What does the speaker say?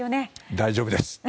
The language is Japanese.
大丈夫です！